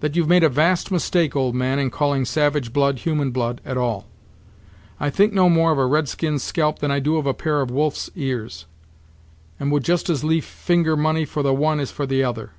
"That you've made a vast mistake, old man, in calling savage blood human blood, at all. I think no more of a red skin's scalp than I do of a pair of wolf's ears; and would just as lief finger money for the one as for the other.